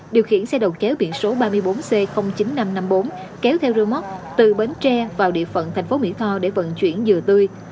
điều khiển xe đầu kéo biển số ba mươi bốn c chín nghìn năm trăm năm mươi bốn kéo theo rơ móc từ bến tre vào địa phận thành phố mỹ tho để vận chuyển dừa tươi